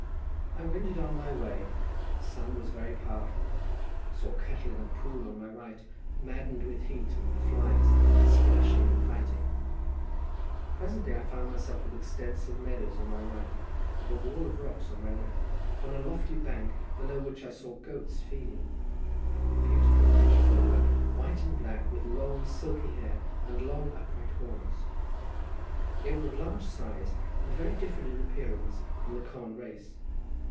I wended on my way; the sun was very powerful; saw cattle in a pool on my right, maddened with heat and flies, splashing and fighting. Presently I found myself with extensive meadows on my right, and a wall of rocks on my left, on a lofty bank below which I saw goats feeding; beautiful creatures they were, white and black, with long, silky hair, and long, upright horns. They were of large size, and very different in appearance from the common race.